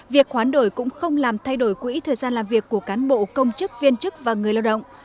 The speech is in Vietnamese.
việc hoán đổi cũng không làm thay đổi quỹ thời gian làm việc của cán bộ công chức viên chức và người lao động